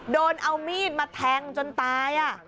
โดนเอามีดมาแทงจนตาย